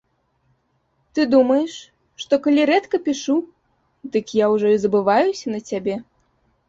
Ты думаеш, што калі рэдка пішу, дык я ўжо і забываюся на цябе?